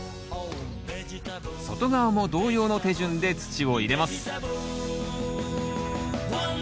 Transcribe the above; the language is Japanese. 外側も同様の手順で土を入れます